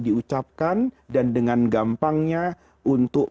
diucapkan dan dengan gampangnya untuk